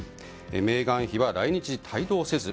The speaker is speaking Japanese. メーガン妃は来日に帯同せず。